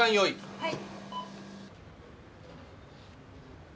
はい。